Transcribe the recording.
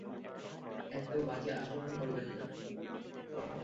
এতো বাজে আচরণ করবেন না।